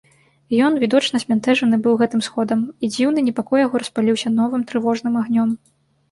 Ён відочна збянтэжаны быў гэтым сходам, і дзіўны непакой яго распаліўся новым трывожным агнём.